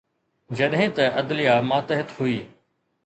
جڏهن ته عدليه ماتحت هئي.